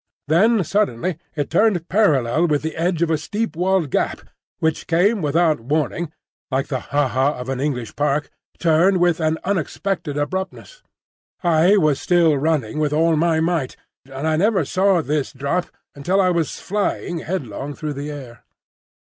Then suddenly it turned parallel with the edge of a steep walled gap, which came without warning, like the ha ha of an English park,—turned with an unexpected abruptness. I was still running with all my might, and I never saw this drop until I was flying headlong through the air.